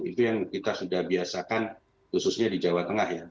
itu yang kita sudah biasakan khususnya di jawa tengah ya